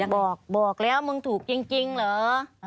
บอกบอกแล้วมึงถูกจริงเหรอ